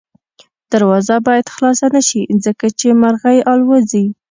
دروازه باید خلاصه نه شي ځکه چې مرغۍ الوځي.